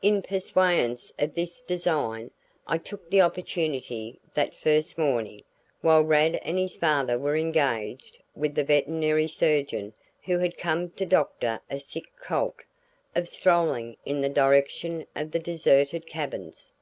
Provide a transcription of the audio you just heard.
In pursuance of this design, I took the opportunity that first morning, while Rad and his father were engaged with the veterinary surgeon who had come to doctor a sick colt, of strolling in the direction of the deserted cabins.